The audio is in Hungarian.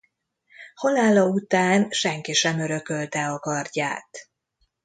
Halála után senki sem örökölte a kardját.